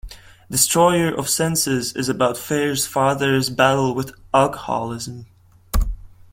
"Destroyer of Senses" is about Fair's father's battle with alcoholism.